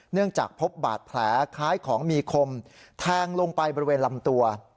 จากพบบาดแผลคล้ายของมีคมแทงลงไปบริเวณลำตัว